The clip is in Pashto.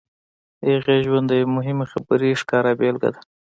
د هغې ژوند د یوې مهمې خبرې ښکاره بېلګه ده